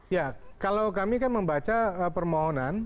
ya kalau kami kan membaca permohonan